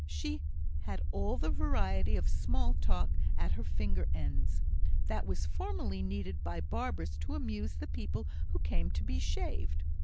She had all the variety of small talk at her finger ends that was formerly needed by barbers to amuse the people who came to be shaved.